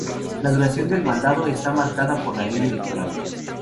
La duración del mandado está marcada por la ley electoral.